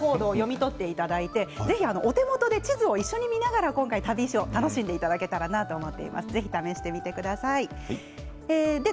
ＱＲコードを読み取っていただいてぜひお手元で地図を一緒に見ながら今回の旅を楽しんでいただけたらと思います。